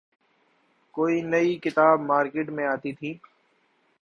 کوئی نئی کتاب مارکیٹ میں آتی تھی۔